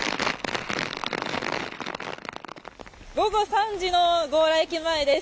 午後３時の強羅駅前です。